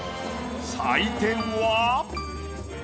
採点は。